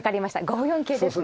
５四桂ですね。